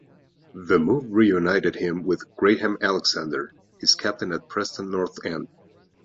The move reunited him with Graham Alexander, his captain at Preston North End.